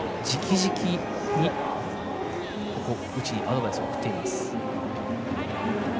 じきじきに内にアドバイスを送っています。